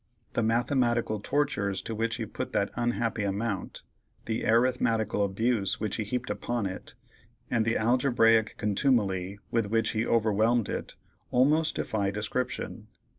The mathematical tortures to which he put that unhappy amount; the arithmetical abuse which he heaped upon it, and the algebraic contumely with which he overwhelmed it, almost defy description.